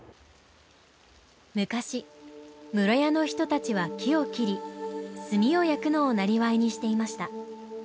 昔室谷の人たちは木を切り炭を焼くのを生業にしていました。